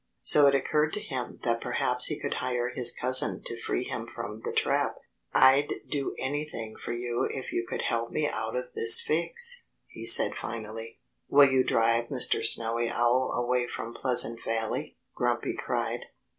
So it occurred to him that perhaps he could hire his cousin to free him from the trap. "I'd do anything for you if you could help me out of this fix," he said finally. "Will you drive Mr. Snowy Owl away from Pleasant Valley?" Grumpy cried.